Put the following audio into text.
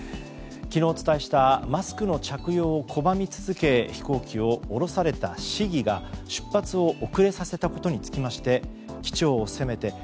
昨日お伝えしたマスクの着用を拒み続け飛行機を降ろされた市議が出発を遅れさせたことにつきまして機長を責めて。